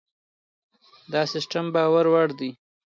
دا سیستم باور وړ دی.